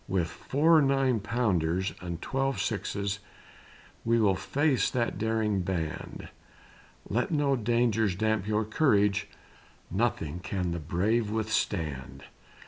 "With four nine pounders, and twelve sixes We will face that daring band; Let no dangers damp your courage, Nothing can the brave withstand.